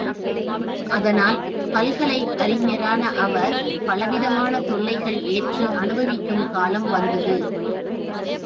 அதனால் பல்கலை அறிஞரான அவர், பலவிதமான தொல்லைகள் ஏற்று அனுபவிக்கும் காலம் வந்தது.